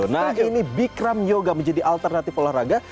nah ini bikram yoga menjadi alternatif olahraga